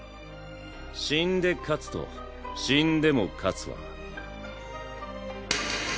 「死んで勝つ」と「死んでも勝つ」はパチン！